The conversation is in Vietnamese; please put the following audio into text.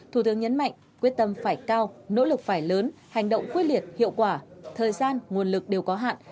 thủ tướng nhấn mạnh quyết tâm phải cao nỗ lực phải lớn hành động quyết liệt hiệu quả thời gian nguồn lực đều có hạn